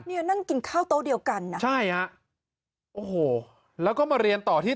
เนี่ยนั่งกินข้าวโต๊ะเดียวกันนะใช่ฮะโอ้โหแล้วก็มาเรียนต่อที่